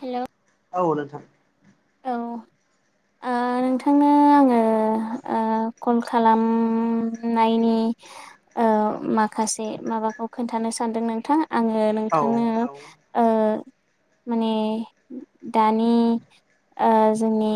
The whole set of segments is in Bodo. हेल' औ नोंथां। औ ओ नोंथांनो आङो ओ कल खालामनायनि ओ माखासे माबाखौ खोन्थानो सान्दों नोंथा । आङो औ नोंथांनो औ ओ माने दानि ओ जोंनि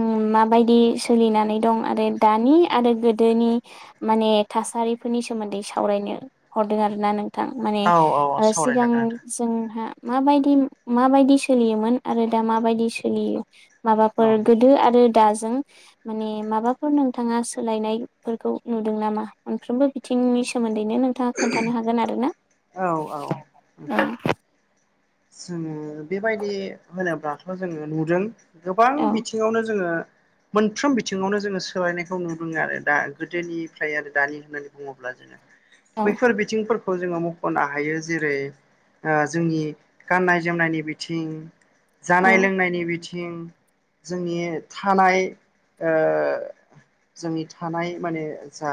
उम माबायदि सोलिनानै दं आरो दानि आरो गोदोनि माने थासारिफोरनि सोमोन्दै सावरायनो हरदों आरोना नोंथां माने औ औ ओ सिगां सावरायजागोन नोंथां जोंहा माबायदि माबायदि सोलियोमोन आरो दा माबायदि सोलियो माबाफोर गोदो आरो दाजों माने माबाफोर नोंथाङा सोलायनायफोरखौ नुदों नामा मोनफ्रोम बो बिथिंनि सोमोन्दैनो नोंथाङा खोन्थानो हागोन आरो ना । औ औ नोंथां। जोङो बेबायदि होनोब्लाथ' जोङो नुदों गोबां बिथिङावनो जोङो मोनफ्रोम बिथिङावनो जोङो सोलायनायखौ नुदोंङो आरो दा गोदोनिफ्राय आरो दानि होननानै बुङोब्ला जोङो औ बैफोर बिथिंफोरखौ जोङो मख खनो हायो जेरै ओ जोंनि गाननाय जोमनायनि बिथिं जानाय औ लोंनायनि बिथिं जोंनि थानाय ओ जोंनि थानाय माने जा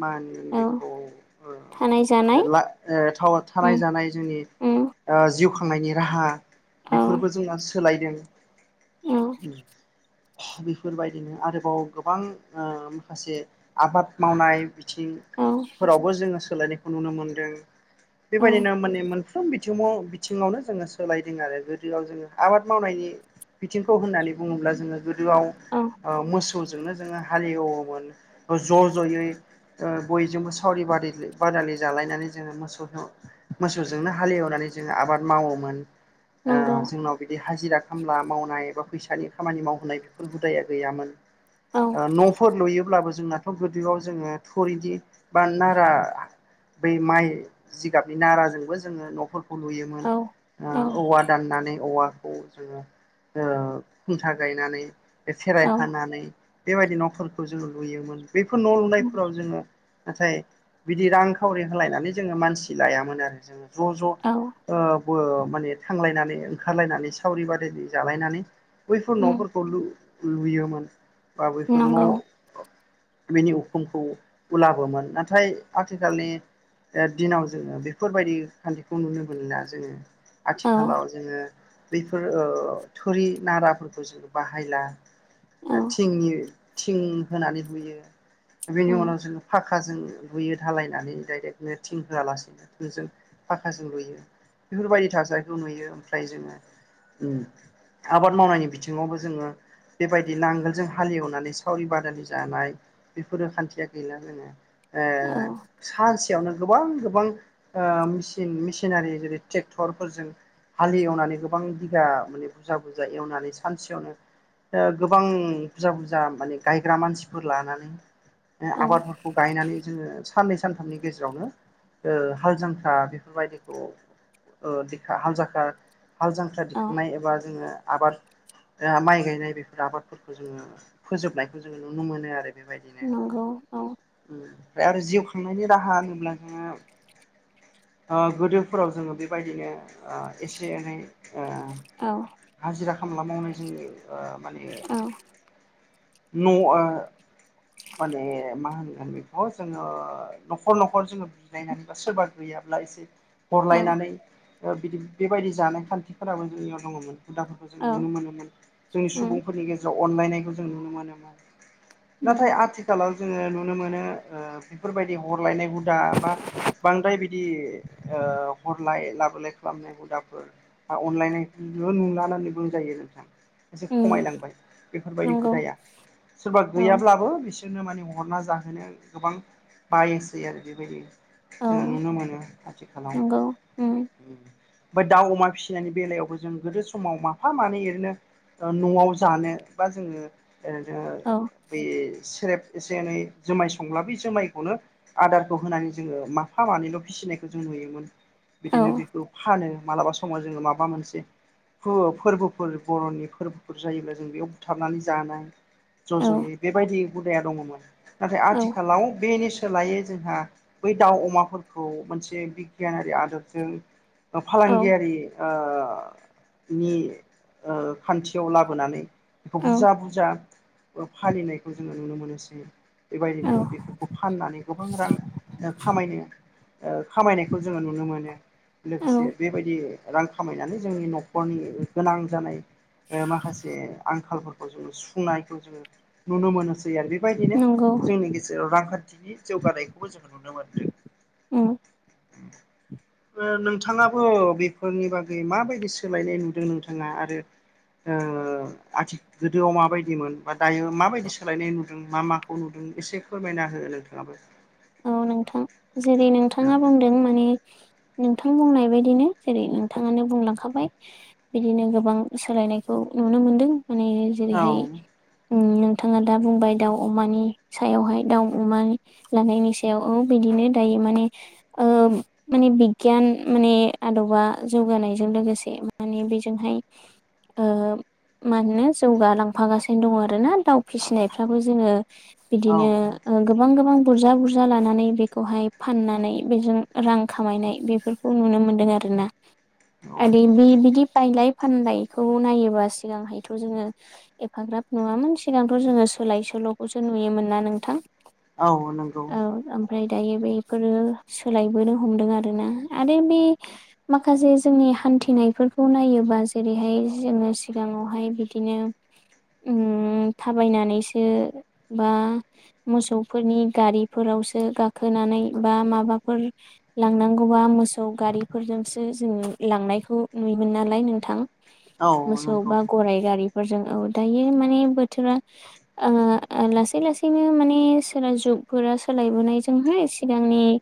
मा होनोन औ बेखौ ओ थानाय जानाय ला ओ थाउन उम थानाय जानाय जोंनि उम ओ जिउ खांनायनि राहा औ बेफोरबो जोंना सोलायदों औ उ बेफोरबायदिनो आरोबाव गोबां माखासे आबाद मावनाय औ बिथिंफोरावबो जोङो सोलायनायखौ नुनो मोनदों औ बेबायदिनो मोने मोनफ्रो म बिथिङाव बिथिङावनो जोङो सोलायदों आरो गोदोआव जोङो आबाद मावनायनि बिथिंखौ होननानै बुङोब्ला जोङो गोदोआव औ ओ मोसौजो जोंनो जोङो हालि एवनोमोन ज जैयै बयजोंबो सावरि बादिलि बादालि जालायनानै जोङो मोसौजों मोसौजोंनो हालएवनानै जोङो आबाद मावोमोन ओ नंगौ जोंनाव बिदि हाजिरा खामला मावनाय बा फैसानि खामानि मावहोनाय बेफोर हुदाया गैयामोन औ ओ न'फोर लुयोब्लाबो जोंनाथ' गोदोआव जोङो थुरिनि बा नारा बै माइ जिगाबनि नाराजोंबो जोङो न'फोर लुयोमोन औ औ ओ औवा दाननानै औवा खौ जोङो खुन्था गायनानै खेराय औ खानानै बेबायदि न'फोरखौ जोङो लुयोमोन बैफोर न' उम लुनायफोराव जोङो नाथाय बिदि रांखावरि होलायनानै जोङो मानसि लायामोन आरो जोङो ज' ज' औ ओ बो माने थांलायनानै ओंखारलायनानै सावरि बादालि जालायनानै बैफोर उम न'फोरखौ लु लुयोमोन बा बैफोर न' नंगौ बिनि उखुमखौ उलाबोमोन नाथाय आथिखालनि ओ दिनाव जोङो बेफोरबायदि खान्थिखौ नुनो मोनला जोङो औ आथिखालाव जोङो बेफोर ओ थुरि नाराफोरखौ जों बाहायला ओ औ थिंनि थिं होनानै बुयो बेनि उम उनाव जोङो फाख खाजों लुयो धालायनानै डाइरेक्टनो थिं होआलासेनो जों फाखाजों लुयो बेफोरबायदि थासारिखौ नुयो ओमफ्राय जोङो ओम आबाद मावनायनि बिथिङावबो जोङो बेबायदि नांगोलजों हालेवनानै सावरि बादालि जानाय बेफोरो खान्थिया गैला जोङो ओ औ सानसे नो गोबां गोबां ओ मिसिन मिसिनारि जेरै ट्रेक्टरफोरजों हालि एवनानै गोबां बिगा माने बुरजा बुरजा एवनानै सानसेयावनो ओ गोबां बुरजा बुरजा माने गायग्रा मानसिफोर लानानै ओ औ आबादफोरखौ गायनानै जोङो साननै सानथामनि गेजेरावनो ओ हाल जांख्रारा बेफोरबायदिखौ ओ थिखा हालजांख्रा हालजांख्रा औ दिखांनाय एबा जोङो आबाद ओ माइ गायनाय बेफोर आबादफोरखौ जोङो फोजोबनायखौ जोङो नुनो मोनो आरो बेबायदिनो नंगौ औ ओमफ्राय आरो जिउ खांनायनि राहा होनोब्ला जोङो ओ गोदोफोराव जोङो बेबायदिनो एसे एनै ओ औ हाजिरा खामला मावनायजों माने औ न' अ माने मा होनगोन बेखौ जोङो न'खर न'खर जोङो बिलायनानै बा सोरबा गैयाब्ला एसे औ हरलायनानै बिदि बेबायदि जानाय खान्थिफोराबो जोंनियाव दङमोन हुदाफोरखौ जोङो औ नुनो मोनोमोन जोंनि उम सुबुंफोरनि गेजेराव अनलायनायखौ जों नुनो मोनोमोन। उम नाथाय आथिखालाव जोङो नुनो मोनो बेफोरबाय हरलायनाय हुदाबा बांद्राय बिदि ओ हरलाय लाबोलाय खालामनाय हुदाफोर अनलायनाय जेबो नुलाना होननानै बुंजायो नोंथां एसे उम खमायलांबाय। बेफोरबायदि नंगौ हुदाया। सोरबा औ गैयाब्लाबो बिसोरनो माने हरना जाहोनो गोबां बायोसै आरो बेबायदि औ जोङो नुनो मोनो आथिखालाव। नंगौ उम बा दाउ अमा फिसिनायनि बेलायावबो जों गोदो समाव माफा मानै ओरैनो न'आव जानो बा जोङो ओ जोङो औ बै सेरेब एसे एनै जोमाय संब्ला बे जोमाय खौनो आदारखौ होनानै जोङो माफा मानैल' फिसिनायखौ जों नुयोमोन। औ बिदिनो बेखौ फानो मालाबा समाव जोङो माबा मोनसे फो-फोरबोफोर बर'नि फोरबोफोर जायोब्ला जों बेयाव बुथारनानै जानाय। ज' औ ज'यै बेबायदि हुदाया दङमोन। नाथाय आथिखालाव बेनि सोलायै जोंहा बै दाव, अमाफोरखौ मोनसे बिगियानारि आदबजों औ फालांगियारि ओ नि ओ खान्थियाव लाबोनानै बेखौ औ बुजा बुजा फालिनायखौ जोङो नुनो मोनोसै। बेबायदिनो बे फाननानै गोबां रां खामायनो ओ खामायनायखौ जोङो नुनो मोनो। औ लोगोसे बेबायदि रां खामायनानै जोंनि न'खरनि गोनां जानाय ओ माखासे आंखालफोरखौ जोङो सुफुंनायखौ जोङो नुनो मोनोसै आरो बे बायदिनो नंगौ जोंनि गेजेराव रांखान्थिनि जौगानायखौबो जोङो नुनो मोनदों। [inaudible] ओ नोंथाङाबो बेफोरनि बागै माबायदि सोलायनाय नुदों नोंथाङा आरो आथि गोदोआव माबायदिमोन बा दायो माबायदि सोलायनाय नुदों मा माखौ नुदों एसे फोरमायना हो नोंथाङाबो। औ नोंथां जेरै औ नोंथाङा बुंदों माने नोंथां बुंनाय बायदिनो जेरै नोंथाङानो बुंलांखाबाय बिदिनो गोबां सोलायनायखौ नुनो मोनदों माने जेरैहाय नोंथाङा दा बुंबाय दाउ अमानि सायावहाय दाउ अमानि लानायनि सायाव औ बिदिनो दायो माने ओ माने बिगियान माने आदबा जौगानायजों लोगोसे माने बेजोंहाय ओ मानोना जौगालांफागासिनो दङ आरोना दाउ फिसिनायफ्राबो जोङो औ बिदिनो ओ गोबां गोबां बुरजा बुर जा लानानै बेखौहाय फाननानै बेजों रां खामायनाय बेफोरखौ नुनो मोन्दों आरोना। आदि बि-बिदिब बायलाय फानलायखौ नायोबा सिगांहायथ' जोङो एफाग्राब नङामोन सिगांथ' जोङो सोलाय सोल'खौसो नुयोमोन, ना नोंथां? औ नों औ ओम फ्राय दायो बेफोरो सोलायबोनो हमदों आरोना आरो बे माखासे जोंनि हान्थिनायफोरखौ नायोबा जेरैहाय जोङो सिगाङावहाय बिदिनो उम थाबायनानैसो बा मोसौफोरनि गारि फोरावसो गाखोनानै बा माबाफोर लांनांगौबा मोसौ गारिफोरजोंसो जों लांनायखौ नुयोमोन नालाय नोंथां। औ मोसौ नंगौ बा गराइ गारि फोरजों औ। दायो माने बोथोरा ओ ओ लासै लासैनो माने सारा जुग फोरा सोलायबोनायजोंहाय सिगांनि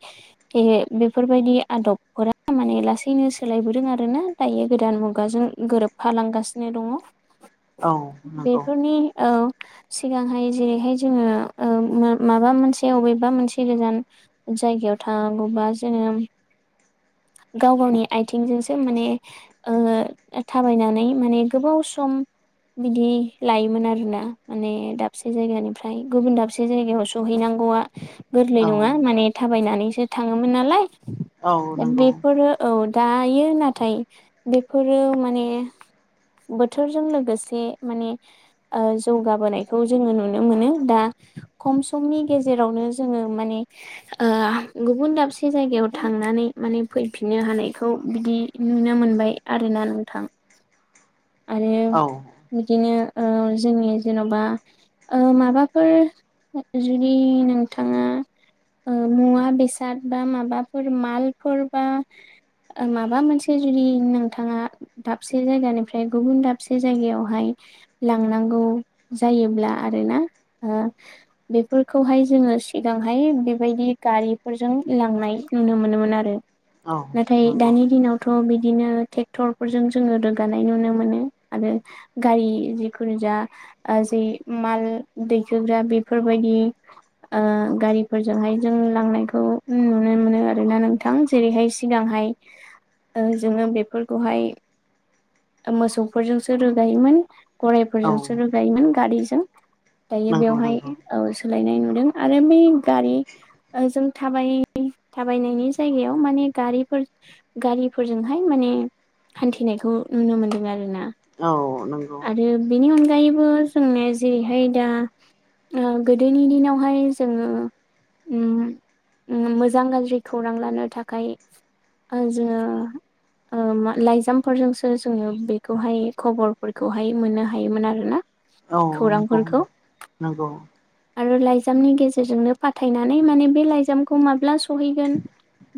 बे बेफोरबायदि आदबफोरा माने लासैनो सोलायबोदों आरो ना दायो गोदान मुगाजों गोरोबफालांगासिनो दङ। औ नंगौ बेफोरनि औ। सिगांहाय जेरैहाय जोङो ओ उम माबा मोनसे जे अबेबा मोनसे गोजान जायगायाव थानांगौबा जोङो गाव गावनि आथिंजोंसो माने ओ थाबायनानै माने गोबाव सम बिदि लायोमोन आरोना ।माने दाबसे जायगानिफ्राय गुबुन दाबसे जायगायाव सहैनां गौआ गोरलै औ नङा ।माने थाबायनानैसो थाङोमोन नालाय औ नंगौ बेफोरो औ दायो नाथाय बेफोरो माने बोथोरजों लोगोसे माने ओ जौगाबोनायखौ जोङो नुनो मोनो दा खम समनि गेजेरावनो जोङो माने ओ गुबुन दाबसे जायगायाव थांनानै माने फैफिन नो हानायखौ बिदि नुनो मोनबाय आरोना नोंथां। आरो औ बिदिनो ओ जोंनि जेन'बा ओ माबाफोर जुदि नोंथाङा ओ मुवा बेसाद बा माबाफोर मालफोर बा ओ माबा मोनसे जुदि नोंथाङा दाबसे जायगानि फ्राय गुबुन दाबसे जायगायावहाय लांनांगौ जायोब्ला आरोना ओ बेफोरखौहाय जोङो सिगांहाय बेबायदि गारिफोरजों लांनाय नुनो मोन नो‌ मोनो‌ आरो औ नाथाय नंगौ दानि दिनावथ' बिदिनो ट्रेक्टर फोरजों जोङो रोगा नाय नुनो मोनो आरो गारि जिखुनु जा ओ जे माल दैखो ग्रा बेफोरबायदि ओ गारिफोरजोंहाय जों लांनायखौ नुनो मोनो आरोना नोंथां जेरैहाय सिगांहाय ओ जोङो बेफोरखौहाय ओ मोसौफोरजोंसो रोगायोमोन औ गरायफोरजोंसो रोगायोमोन गारिजों। दायो नंगौ बेवहाय नंगौ ओ सोलायनाय नुदों आरो बे गारि ओजों थाबाय थाबायनायनि जायगायाव माने गारिफोर-गारिफोरजोंहाय मा ने हान्थिनायखौ नुनो मोनदों आरो ना। औ नंगौ। गायैबो जोंना जेरैहाय दा ओ गोदोनि दिनावहाय जोङो उम उम मोजां गाज्रि खौरां लानो थाखाय ओ जोङो ओ मा लाइजामफोरजों सो जोङो बेखौहाय खबरफोरखौहाय मोननो हायोमोन आरो ना औ नंगौ खौरांफोरखौ नंगौ आरो लाइजा मनि गेजेरजोंनो पाथायनानै माने बे लाइजामखौ माब्ला सहैगोन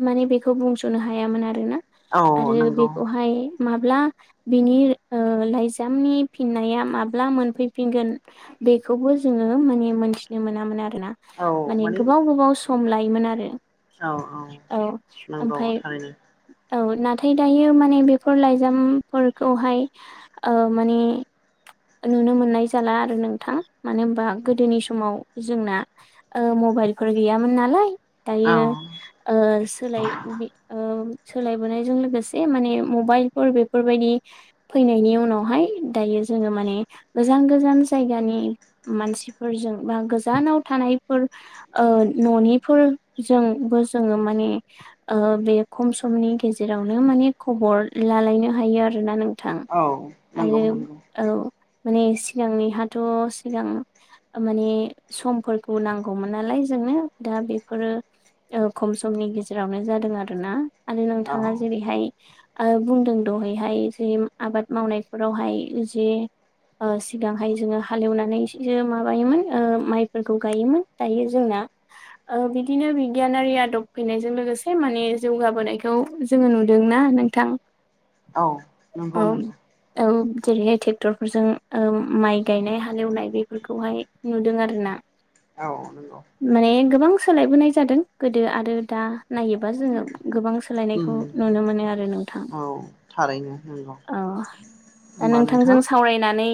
माने बेखौ बुंस'नो हायामोन आरोना औ आरो नंगौ बेखौहाय ब्ला बिनि ओ लाइजामनि फिननाया माब्ला मोनफैफिनगोन बे खौबो जोङो माने मोनथिनो मोनामोन आरो ना ।माने गोबाव गोबाव सम लायोमोन आरो औ नंगौ ओमफाय थारैनो औ नाथाय दायो माने बेफोर लाइजामफोरखौहाय ओ माने नुनो मोननाय जाला आरो नोंथां ।मानो होनबा गोदोनि समाव जोंना ओ म बाइलफोर गैयामोन नालाय दायो औ ओ सोलाय बि ओम सोलायबोनायजों लोगोसे माने मबाइलफोर बेफोरबायदि फैनायनि उनावहाय दायो जोङो माने गोजान गोजान जायगानि मानसिफोरजों बा गोजानाव थानायफोर ओ न'निफोरजों बो जोङो माने ओ बेयो खम समनि गेजेरावनो माने खबर लालायनो हायो आरोना नों औ नंगौ नंगौ औ माने सिगांनिहाथ' सिगां ओ माने समफोरखौ नांगौमोन नालाय जों नो दा बेफोरो खम समनि गेजेरावनो जादों आरोना आरो औ नोंथाङा जेरैहाय आरो बुंदों दहायहाय जे आबाद मावनायफोरावहाय जे ओ सिगांहाय जोङो हालेवनानै माबायोमोन ओ माइफोरखौ गायोमोन दायो जोंना ओ बिदिनो बिगियानारि आदब फैनायजों लोगोसे माने जौगाबोनायखौ जोङो नु नुदों ना नोंथां। औ औ नंगौ नंगौ। औ जेरैहाय ट्रेक्टरफोरजों माइ गायनाय हालेवनाय बेफोरखौहाय नुदों आरो ना। औ नंगौ। सोलायबोनाय जादों गोदो आरो दा नायोबा जोङो गोबां उम सोलायनायखौ नुनो मोनो आरो नोंथां औ औ। दा मा नोंथांजों सावरायनानै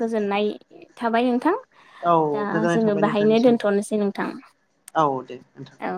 गोजोननाय थाबाय नोंथां। औ दा गोजोननाय जोङो थाबाय बेाहायनो नोंथांनिसिम दोनथ'नोसै नोंथां औ दे नोंथां औ।